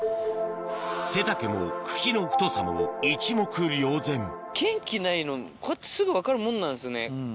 背丈も茎の太さも一目瞭然元気ないのこうやってすぐ分かるもんなんですね。